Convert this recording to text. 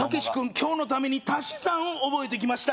今日のために足し算を覚えてきました